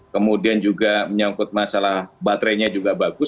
kemudian juga menyangkut masalah baterainya juga bagus